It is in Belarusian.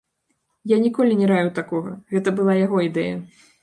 Я ніколі не раіў такога, гэта была яго ідэя.